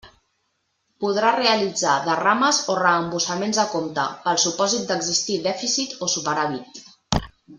Podrà realitzar derrames o reembossaments a compte, pel supòsit d'existir dèficit o superàvit.